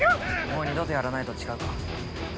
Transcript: ◆もう二度とやらないと誓うか？